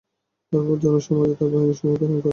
তারপর জনসমাজে তার বাহিনীসমূহ প্রেরণ করে।